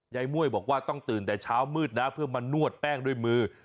ม่วยบอกว่าต้องตื่นแต่เช้ามืดนะเพื่อมานวดแป้งด้วยมือ